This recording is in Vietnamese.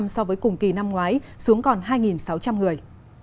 so với cùng kỳ năm ngoái xuống còn hai sáu trăm linh người